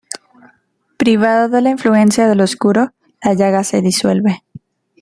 Privada de la influencia del Oscuro, La Llaga se disuelve.